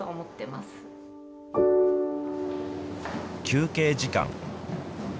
休憩時間。